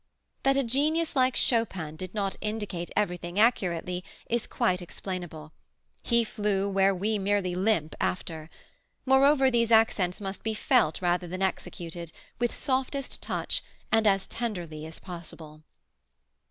That a genius like Chopin did not indicate everything accurately is quite explainable. He flew where we merely limp after. Moreover, these accents must be felt rather than executed, with softest touch, and as tenderly as possible.